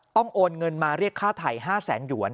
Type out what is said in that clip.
โอนเงินมาเรียกค่าไถ่๕แสนหยวน